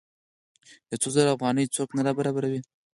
یو څو زره افغانۍ څوک نه برابروي.